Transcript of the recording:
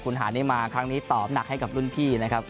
คุณหานี่มาครั้งนี้ตอบหนักให้กับรุ่นพี่นะครับ